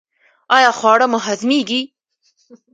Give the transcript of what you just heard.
ایا خواړه مو هضمیږي؟